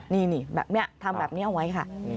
นี่แบบนี้ทำแบบนี้เอาไว้ค่ะ